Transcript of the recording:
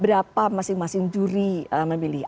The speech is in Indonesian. berapa masing masing duri memilih